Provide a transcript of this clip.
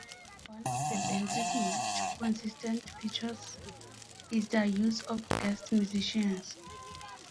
One of the band's most consistent features is their use of guest musicians.